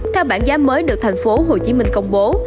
theo bản giá mới được thành phố hồ chí minh công ty